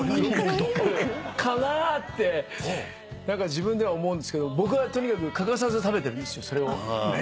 自分では思うんですけど僕はとにかく欠かさず食べてるんですそれを。